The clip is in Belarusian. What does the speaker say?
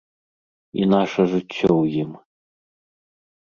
І наша жыццё ў ім.